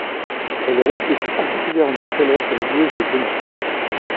Elle est restée plus particulièrement célèbre comme joueuse de tennis.